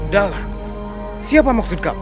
dalang siapa maksud kamu